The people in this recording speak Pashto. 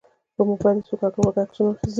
پر موبایل یې څو کاږه واږه عکسونه واخیستل.